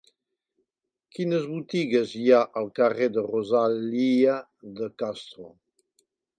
Quines botigues hi ha al carrer de Rosalía de Castro?